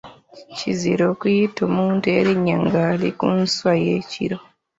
Kizira okuyita omuntu erinnya ng’ali ku nswa ye ekiro.